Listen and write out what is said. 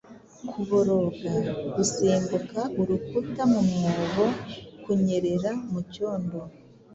Kuboroga, gusimbuka urukuta mu mwobo, Kunyerera mucyondo.